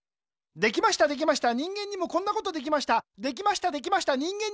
できましたできました人間にもこんなことできました。